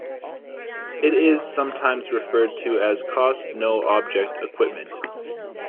It is sometimes referred to as cost-no-object equipment.